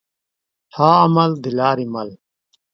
ښه عمل دلاري مل